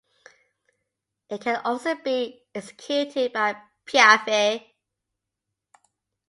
It can also be executed at piaffe.